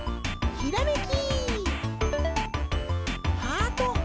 ひらめき！